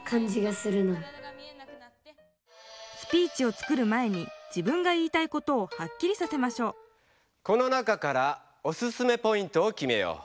スピーチを作る前に自分が言いたいことをはっきりさせましょうこの中からオススメポイントをきめよう。